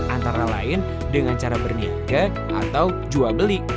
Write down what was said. antara lain dengan cara berniaga atau jual beli